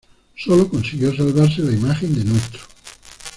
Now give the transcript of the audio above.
Solo consiguieron salvarse la imagen de Ntro.